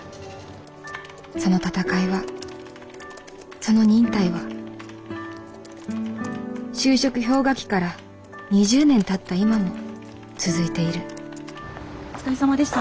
その戦いはその忍耐は就職氷河期から２０年たった今も続いているお疲れさまでした。